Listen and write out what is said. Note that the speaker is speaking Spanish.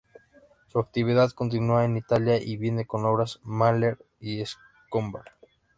Su actividad continúa en Italia y Viena con obras de Mahler y Schönberg.